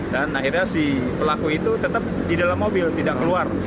dan akhirnya si pelaku itu tetap di dalam mobil tidak keluar